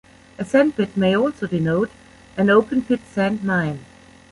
A "sandpit" may also denote an open pit sand mine.